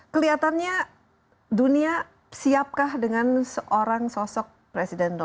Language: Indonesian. keliatannya dunia siapkah dengan seorang sosok presiden israel